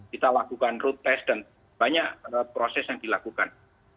kita lakukan road test dan banyak proses yang dilakukan